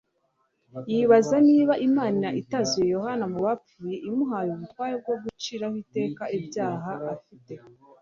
Yibaza niba Imana itazuye Yohana mu bapfuye imuhaye ubutumwa bwo guciraho iteka ibyaha afite